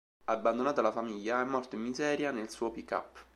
Abbandonata la famiglia, è morto in miseria nel suo pick-up.